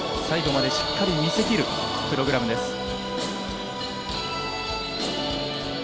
最後までしっかり見せきるプログラムです。